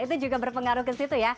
itu juga berpengaruh ke situ ya